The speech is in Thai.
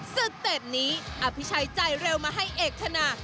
สติปนี้อภิชัยใจเร็วมาให้เอกทนา